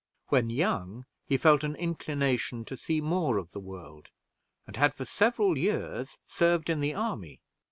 When young, he felt an inclination to see more of the world, and had for several years served in the army.